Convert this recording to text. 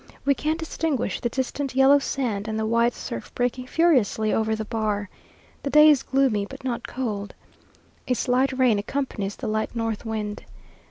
We can distinguish the distant yellow sand and the white surf breaking furiously over the bar. The day is gloomy but not cold. A slight rain accompanies the light north wind.